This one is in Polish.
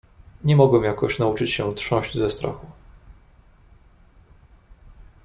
"Nie mogę jakoś nauczyć się trząść ze strachu."